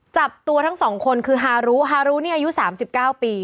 จับตัวทั้งสองคนคือฮารุฮารุนี่อายุ๓๙ปี